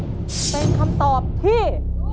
เป็นคำตอบที่